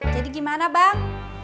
jadi gimana bang